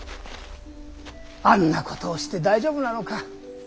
あんなことをして大丈夫なのか。